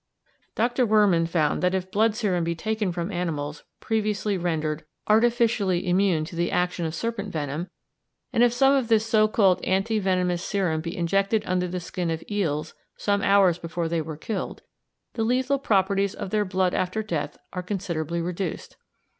Dr. Wehrmann found that if blood serum be taken from animals previously rendered artificially immune to the action of serpent venom, and if some of this so called anti venomous serum be injected under the skin of eels some hours before they are killed, the lethal properties of their blood after death are considerably reduced.